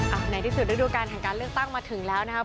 ในที่สุดฤดูการแห่งการเลือกตั้งมาถึงแล้วนะครับ